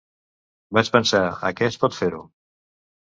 Vaig pensar, aquest pot fer-ho.